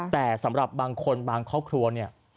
แต่สำหรับบางคนบางครอบครัวเนี่ย